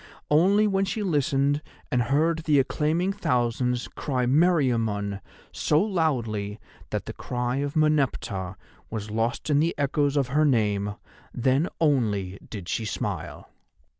Only when she listened and heard the acclaiming thousands cry Meriamun so loudly that the cry of Meneptah was lost in the echoes of her name—then only did she smile.